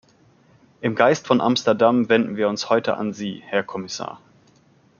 Im Geist von Amsterdam wenden wir uns heute an Sie, Herr Kommissar.